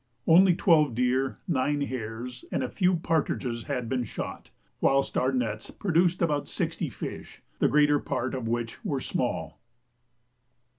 Only twelve deer, nine hares, and a few partridges had been shot, whilst our nets produced about sixty fish, the greater part of which were small.